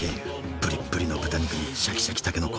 ぶりっぶりの豚肉にシャキシャキたけのこ。